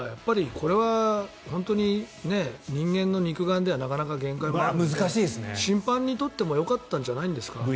これは本当に人間の肉眼ではなかなか限界があって審判にとってもよかったんじゃないんですか。